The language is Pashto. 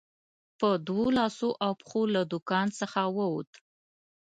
په دوو لاسو او پښو له دوکان څخه ووت.